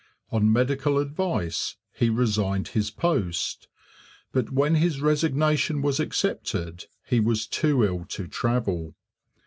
On medical advice he resigned his post, but when his resignation was accepted he was too ill to travel.